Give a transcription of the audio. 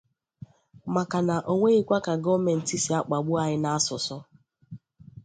maka na o nweghịkwa ka gọọmentị si akpàgbu anyị n'asụsụ